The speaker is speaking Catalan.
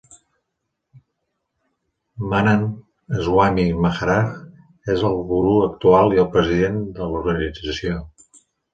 Mahant Swami Maharaj és el guru actual i el president de l'organització.